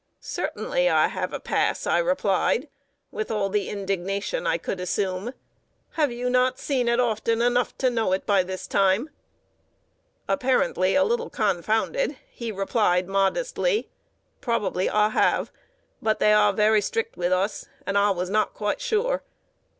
"Certainly, I have a pass," I replied, with all the indignation I could assume. "Have you not seen it often enough to know by this time?" Apparently a little confounded, he replied, modestly: [Sidenote: "EXCUSE ME FOR DETAINING YOU."] "Probably I have; but they are very strict with us, and I was not quite sure."